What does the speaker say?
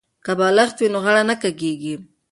که بالښت وي نو غاړه نه کږیږي.